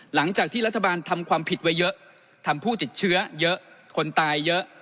หลังจากที่รัฐบาลทำความผิดไว้เยอะทำผู้ติดเชื้อเยอะคนตายเยอะ